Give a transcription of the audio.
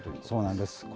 そうなんです。